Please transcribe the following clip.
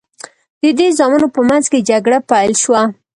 د دې زامنو په منځ کې جګړه پیل شوه.